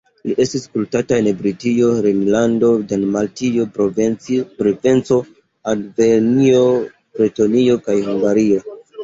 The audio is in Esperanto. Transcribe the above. Li estis kultata en Britio, Rejnlando, Dalmatio, Provenco, Aŭvernjo, Bretonio kaj Hungario.